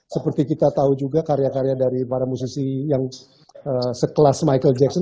seperti kita tahu juga karya karya dari para musisi yang sekelas michael jackson